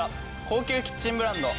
高級キッチンブランド。